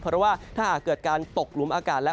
เพราะว่าถ้าหากเกิดการตกหลุมอากาศแล้ว